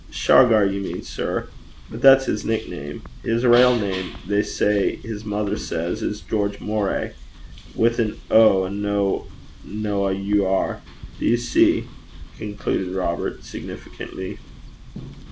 'Shargar, you mean, sir. But that's his nickname. His rale name they say his mither says, is George Moray wi' an o an' no a u r. Do you see, sir?' concluded Robert significantly.